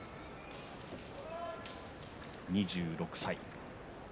２６歳。